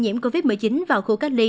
nhiễm covid một mươi chín vào khu cách ly